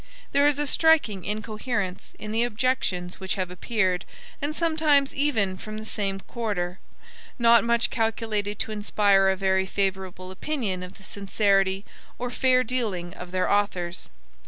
There is a striking incoherence in the objections which have appeared, and sometimes even from the same quarter, not much calculated to inspire a very favorable opinion of the sincerity or fair dealing of their authors.